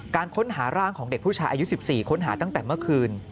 การค้นหาร่างของเด็กผู้ชายอายุ๑๔ค้นหาตั้งแต่เมื่อคืน